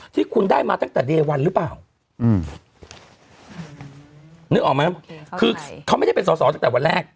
ที่คุณได้มาตั้งแต่เดวันหรือเปล่าอืมนึกออกไหมคือเขาไม่ได้เป็นสอสอตั้งแต่วันแรก